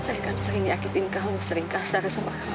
saya kan sering yakin kamu sering kasar sama kamu